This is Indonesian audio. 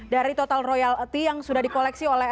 dari total royalti yang sudah di koleksi oleh